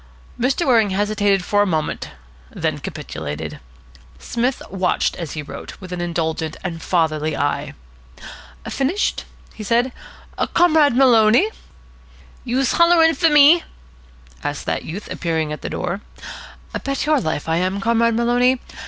Mr. Waring hesitated for a moment, then capitulated. Psmith watched, as he wrote, with an indulgent and fatherly eye. "Finished?" he said. "Comrade Maloney." "Youse hollering fer me?" asked that youth, appearing at the door. "Bet your life I am, Comrade Maloney.